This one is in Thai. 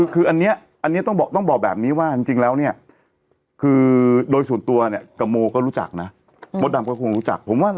คืออันนี้ต้องบอกแบบนี้ว่าจริงแล้วเนี่ยคือโดยส่วนตัวเนี่ยกับโมก็รู้จักนะมดดำก็คงรู้จักผมว่า